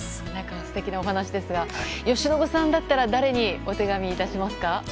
素敵なお話ですが由伸さんだったら誰にお手紙を出しますか？